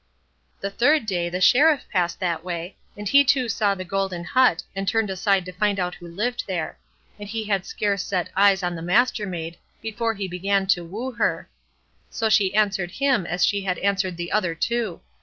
The third day the Sheriff passed that way, and he too saw the golden hut, and turned aside to find out who lived there; and he had scarce set eyes on the Mastermaid, before he began to woo her. So she answered him as she had answered the other two.